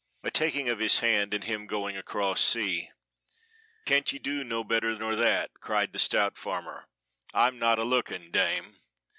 "A taking of his hand and him going across sea!! Can't ye do no better nor that?" cried the stout farmer; "I'm not a looking, dame."